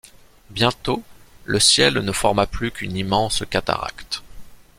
Bientôt, le ciel ne forma plus qu'une immense cataracte.